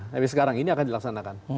tapi sekarang ini akan dilaksanakan